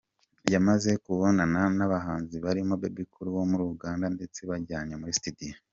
Yamaze kubonana n’abahanzi barimo Bebe Cool wo muri Uganda ndetse bajyanye muri studio.